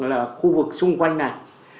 là khu vực xung quanh này